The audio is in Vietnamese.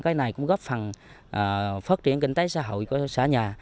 cái này cũng góp phần phát triển kinh tế xã hội của xã nhà